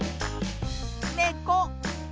ねこ。